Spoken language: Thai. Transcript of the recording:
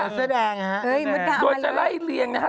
สะแดงฮะสะแดงโดยจะไล่เลี้ยงนะฮะ